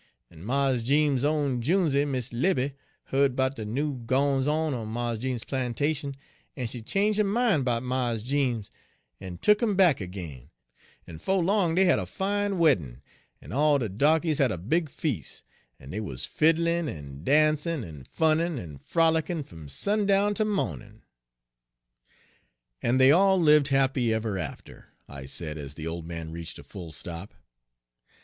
En Mars Jeems's own junesey, Miss Libbie, heared 'bout de noo gwines on on Mars Jeems's plantation, en she change' her min' 'bout Mars Jeems en tuk 'im back ag'in, en 'fo' long dey had a fine weddin', en all de darkies had a big feas', en dey wuz fiddlin' en dancin' en funnin' en frolic'in' fum sundown 'tel mawnin'." "And they all lived happy ever after," I said, as the old man reached a full stop.